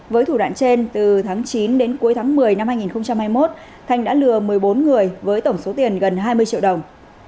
với thủ đoạn trên từ tháng chín đến cuối tháng một mươi năm hai nghìn hai mươi một thanh đã lừa một mươi bốn người với tổng số tiền gần hai mươi triệu đồng